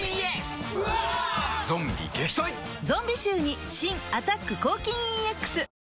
ゾンビ臭に新「アタック抗菌ＥＸ」